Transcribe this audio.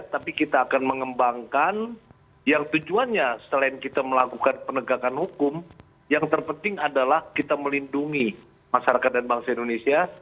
tapi kita akan mengembangkan yang tujuannya selain kita melakukan penegakan hukum yang terpenting adalah kita melindungi masyarakat dan bangsa indonesia